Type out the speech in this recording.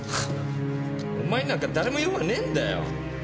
お前になんか誰も用はねえんだよ！